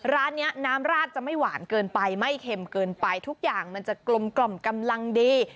ร้านนี้น้ำราดจะไม่หวานเกินไปไม่เค็มเกินไปทุกอย่างมันจะกลมกล่อมกำลังดี